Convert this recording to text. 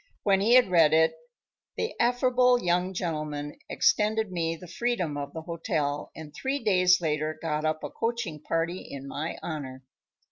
When he had read it the affable young gentleman extended me the freedom of the hotel and three days later got up a coaching party in my honor.